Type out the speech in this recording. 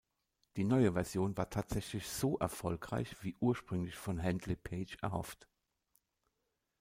Die neue Version war tatsächlich so erfolgreich wie ursprünglich von Handley Page erhofft.